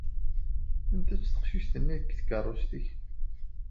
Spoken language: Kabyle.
Anta-tt teqcict-nni deg tkeṛṛust-ik?